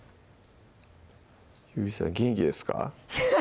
ゆりさん元気ですか？